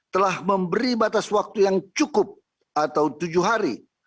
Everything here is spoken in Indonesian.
telah memberi batas waktu yang cukup atau tujuh hari